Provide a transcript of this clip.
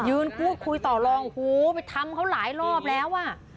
พูดคุยต่อลองโหไปทำเขาหลายรอบแล้วอ่ะ